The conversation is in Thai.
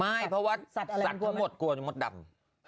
ไม่เพราะว่าสัตว์ทั้งหมดกลัวมดดำ